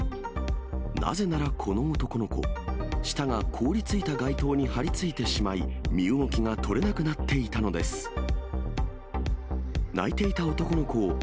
なぜならこの男の子、舌が凍り付いた街灯に張りついてしまい、身動きが取れなくなっていたのです。